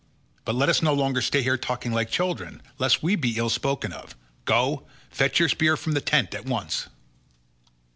But let us no longer stay here talking like children, lest we be ill spoken of; go, fetch your spear from the tent at once."